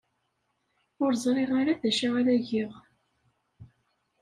Ur ẓriɣ ara d acu ara geɣ.